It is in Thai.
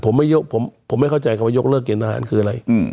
ผมไม่เข้าใจว่ายกเลิกเกณฑ์ทหารคืออะไร